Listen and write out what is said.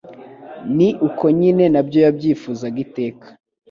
ni uko nyine nabyo yabyifuzaga iteka